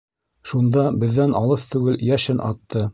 Шунда беҙҙән алыҫ түгел йәшен атты.